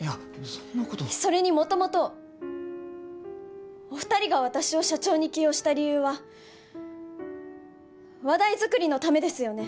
そんなことそれに元々お二人が私を社長に起用した理由は話題づくりのためですよね